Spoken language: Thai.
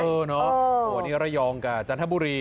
เออเนอะวันนี้ระยองกับจันทบุรี